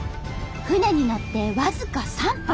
船に乗って僅か３分。